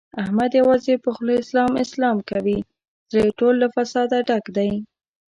احمد یوازې په خوله اسلام اسلام کوي، زړه یې ټول له فساده ډک دی.